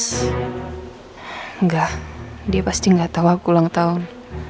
enggak dia pasti gak tau waktu ulang tahun